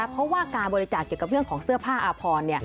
เพราะว่าการบริจาคเกี่ยวกับเรื่องของเสื้อผ้าอาพร